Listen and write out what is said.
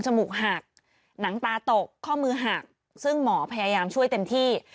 มูกหักหนังตาตกข้อมือหักซึ่งหมอพยายามช่วยเต็มที่